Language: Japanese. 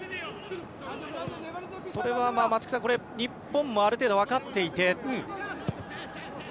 それは松木さん、日本もある程度、分かっていて。